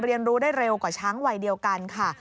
เรียนรู้ได้เร็วกว่าช้างวัยเดียวกันค่ะ